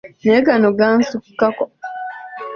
Naye gano gansukkako!